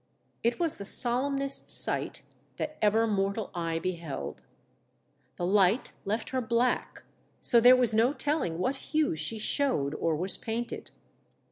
It was the solemnest sight that ever mortal eye beheld. The light left her black, so there was no telling what hue she showed or was painted.